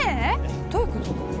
どういうこと？